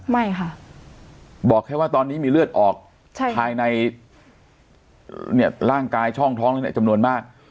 ไม่ค่ะบอกแค่ว่าตอนนี้มีเลือดออกภายในร่างกายช่องท้องจำนวนมาก